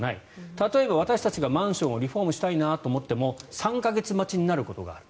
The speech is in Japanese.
例えば私たちがマンションをリフォームしたいなと思っても３か月待ちになることがある。